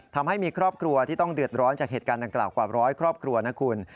ทำให้มีครอบครัวที่ต้องเดือดร้อนจากเหตุการณ์ดังกล่าวกว่าร้อยครอบครัวนะคุณ